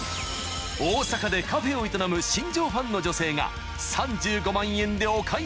［大阪でカフェを営む新庄ファンの女性が］